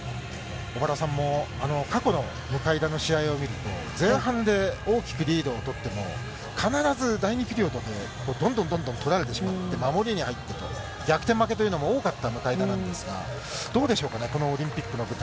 小原さんも過去の向田の試合を見ると、前半で大きくリードを取っても、必ず第２ピリオドでどんどんどんどん取られてしまって、守に入ってと、逆転負けというのも多かった向田なんですが、どうでしょうかね、このオリンピックの舞台。